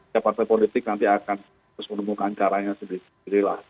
ya partai politik nanti akan harus menemukan caranya sendiri